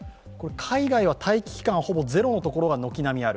海外は待機期間はほぼゼロのところが軒並みある。